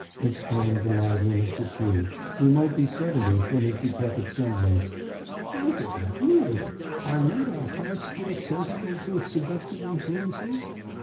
exclaimed the lively Mr. Pugh, who might be seventy from his decrepit semblance. "Look at that moon are not our hearts still sensible to its seductive influences?